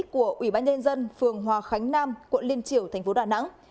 của ủy ban nhân dân phường hòa khánh nam quận liên triều tp đà nẵng